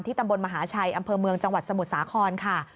ตำบลมหาชัยอำเภอเมืองจังหวัดสมุทรสาครค่ะ